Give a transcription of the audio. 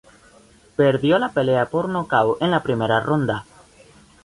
Perdió la pelea por nocaut en la primera ronda.